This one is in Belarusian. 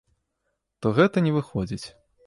То гэта не выходзіць.